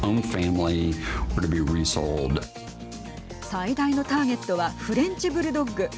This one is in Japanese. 最大のターゲットはフレンチブルドッグ。